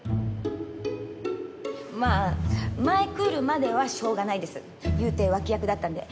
まあ前クールまではしょうがないです。いうて脇役だったんで。